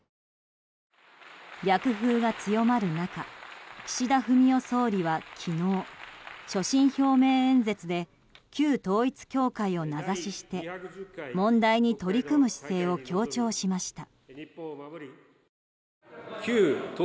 逆風が強まる中岸田文雄総理は昨日所信表明演説で旧統一教会を名指しして問題に取り組む姿勢を強調しました。